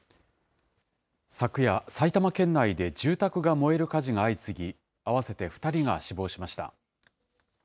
昨夜、埼玉県内で住宅が燃える火事が相次ぎ、合わせて２人が死亡しました。